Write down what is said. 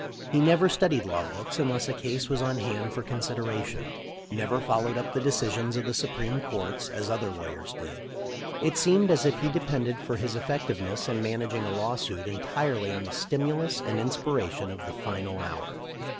He never studied law books unless a case was on hand for consideration — never fol lowed up the decisions of the supreme courts, as other lawyers did. It seemed as if he depended for 332 THE LIFE OF LINCOLN. 333 his effectiveness in managing a law suit entirely on the stimulus and inspiration of the final hour.